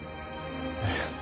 えっ。